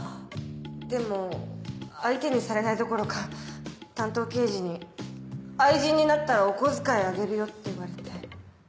でも相手にされないどころか担当刑事に「愛人になったらお小遣いあげるよ」って言われて。